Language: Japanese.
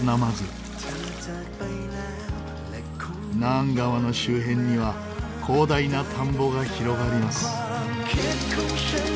ナーン川の周辺には広大な田んぼが広がります。